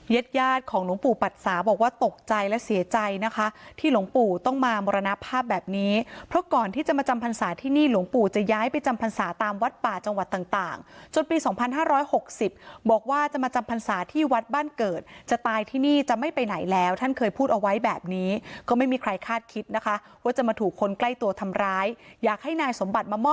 ญาติของหลวงปู่ปัดสาบอกว่าตกใจและเสียใจนะคะที่หลวงปู่ต้องมามรณภาพแบบนี้เพราะก่อนที่จะมาจำพรรษาที่นี่หลวงปู่จะย้ายไปจำพรรษาตามวัดป่าจังหวัดต่างจนปี๒๕๖๐บอกว่าจะมาจำพรรษาที่วัดบ้านเกิดจะตายที่นี่จะไม่ไปไหนแล้วท่านเคยพูดเอาไว้แบบนี้ก็ไม่มีใครคาดคิดนะคะว่าจะมาถูกคนใกล้ตัวทำร้ายอยากให้นายสมบัติมามอบ